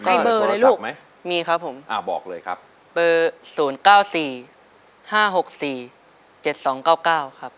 มีเบอร์อะไรลูกมีครับผมอ่าบอกเลยครับเบอร์ศูนย์เก้าสี่ห้าหกสี่เจ็ดสองเก้าเก้าครับ